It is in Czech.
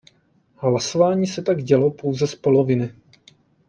Hlasování se tak dělo pouze z poloviny.